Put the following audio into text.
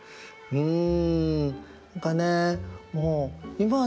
うん。